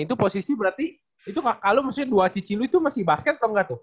itu posisi berarti itu kakak lu maksudnya dua cici lu itu masih basket atau enggak tuh